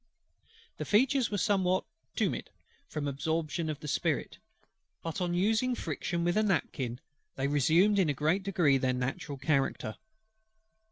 The features were somewhat tumid, from absorption of the spirit; but on using friction with a napkin, they resumed in a great degree their natural character.